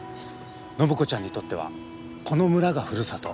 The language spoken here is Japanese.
暢子ちゃんにとってはこの村がふるさと。